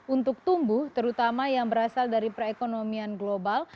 untuk tumbuh terutama yang berasal dari perekonomian global